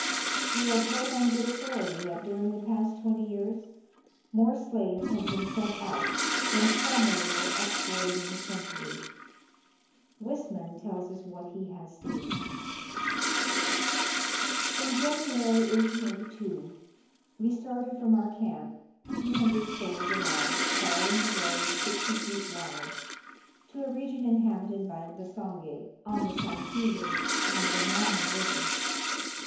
We are told on good authority that during the past twenty years more slaves have been sent out than formerly wei e exported in a century. Wissmann tells us what he has seen :— Africa^ its Past and Ftiture. 115 "In January, 1882, we started from our camp, — 200 souls in all, — following the road, sixty feet wide, to a region inhabited by the Basonge, on the Sankuru and Lomami Rivers.